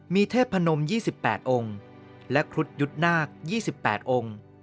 มีเทพนม๒๘องค์และครุฑยุทธ์นาค๒๘องค์